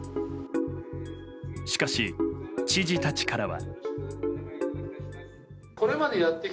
しかし、知事たちからは。